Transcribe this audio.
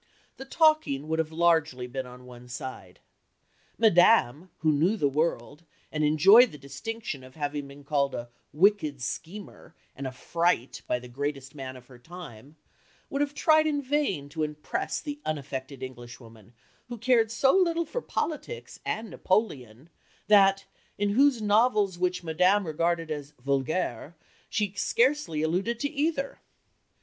The talking would have been largely on one side. Madame, who knew the "world," and enjoyed the distinction of having been called a "wicked schemer" and a "fright" by the greatest man of her time, would have tried in vain to impress the unaffected Englishwoman who cared so little for politics and Napoleon that, in those novels which Madame regarded as "vulgaire," she scarcely alluded to either.